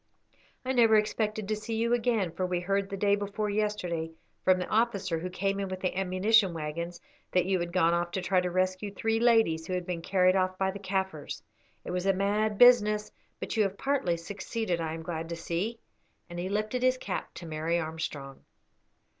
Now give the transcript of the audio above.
"I never expected to see you again, for we heard the day before yesterday from the officer who came in with the ammunition waggons that you had gone off to try to rescue three ladies who had been carried off by the Kaffirs. It was a mad business, but you have partly succeeded, I am glad to see," and he lifted his cap to Mary Armstrong.